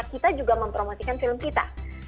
kita juga mempromosikan film kita